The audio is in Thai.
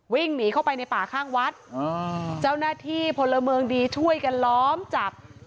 วิ่งหนีเข้าไปในป่าข้างวัดเจ้าหน้าที่พลเมืองดีช่วยกันล้อมจับ